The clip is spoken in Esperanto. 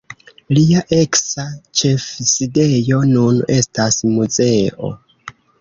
Lia eksa ĉefsidejo nun estas muzeo.